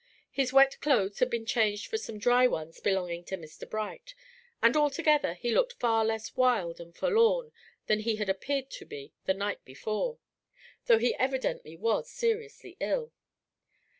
His wet clothes had been changed for some dry ones belonging to Mr. Bright, and, altogether, he looked far less wild and forlorn than he had appeared to be the night before, though he evidently was seriously ill.